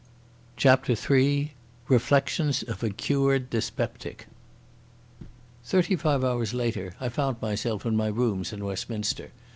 CHAPTER III The Reflections of a Cured Dyspeptic Thirty five hours later I found myself in my rooms in Westminster.